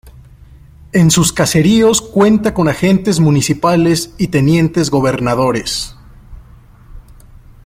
En sus caseríos cuenta con Agentes Municipales y Tenientes Gobernadores.